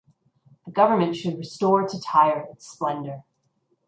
The government should restore to Tyre its splendor.